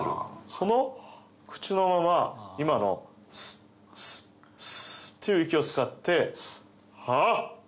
その口のまま今の「スッスッス」っていう息を使って。